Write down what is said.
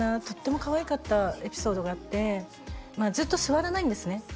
とってもかわいかったエピソードがあってずっと座らないんですね